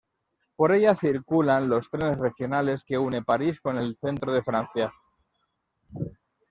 Por ella circulan los trenes regionales que une París con el centro de Francia.